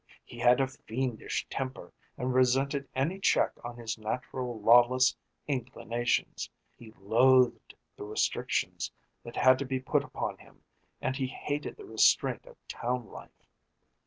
He had a fiendish temper and resented any check on his natural lawless inclinations. He loathed the restrictions that had to be put upon him and he hated the restraint of town life.